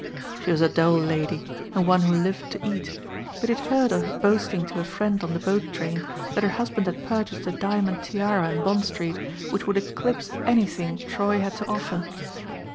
She was a dull lady and one who lived to eat, but he had heard her boasting to a friend on the boat train that her husband had purchased a diamond tiara in Bond Street which would eclipse anything Troy had to offer.